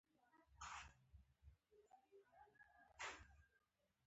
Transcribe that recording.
زه د انټرنیټ له لارې فلم ګورم.